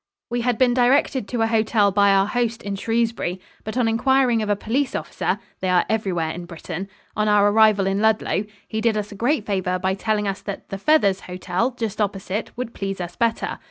We had been directed to a hotel by our host in Shrewsbury, but on inquiring of a police officer they are everywhere in Britain on our arrival in Ludlow, he did us a great favor by telling us that "The Feathers" hotel just opposite would please us better.